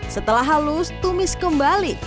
setelah halus tumis kembali